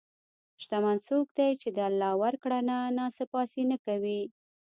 شتمن څوک دی چې د الله ورکړه نه ناسپاسي نه کوي.